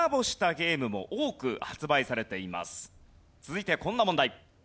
そして続いてこんな問題。